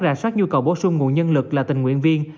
rà soát nhu cầu bổ sung nguồn nhân lực là tình nguyện viên